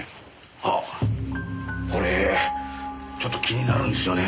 ああこれちょっと気になるんですよねえ。